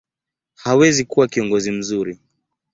hawezi kuwa kiongozi mzuri.